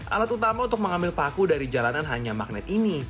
alat utama untuk mengambil paku dari jalanan hanya magnet ini